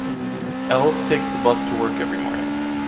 Els takes the bus to work every morning.